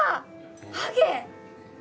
ハゲ！